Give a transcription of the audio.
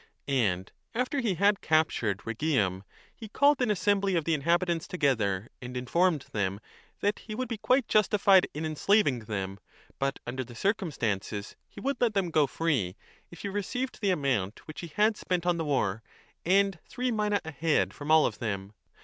And after he had captured Rhegium he called an assembly of the inhabitants together and informed them that he would be quite justified in enslaving them, but under ao the circumstances he would let them go free if he received the amount which he had spent on the war and three minae a head from all of them.